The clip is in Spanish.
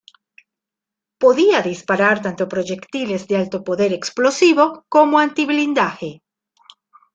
Podía disparar tanto proyectiles de alto poder explosivo, como antiblindaje.